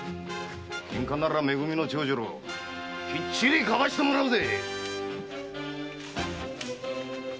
ケンカならめ組の長次郎きっちり買わせてもらうぜ！